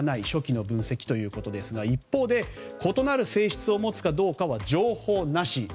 初期の分析ということですがその一方で、異なる性質を持つかどうかは情報なし。